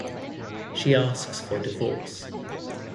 She asks for divorce.